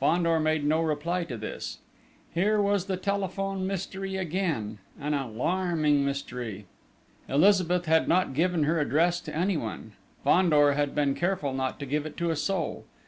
Fandor made no reply to this. Here was the telephone mystery again an alarming mystery. Elizabeth had not given her address to anyone: Fandor had been careful not to give it to a soul....